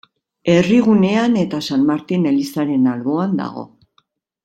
Herrigunean eta San Martin elizaren alboan dago.